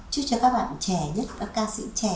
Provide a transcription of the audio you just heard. chúc cho các bạn trẻ nhất và ca sĩ trẻ